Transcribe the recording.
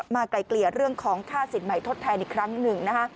ไกลเกลี่ยเรื่องของค่าสินใหม่ทดแทนอีกครั้งหนึ่งนะคะ